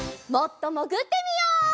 もっともぐってみよう！